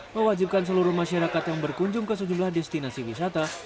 mewajibkan seluruh masyarakat yang berkunjung ke sejumlah destinasi wisata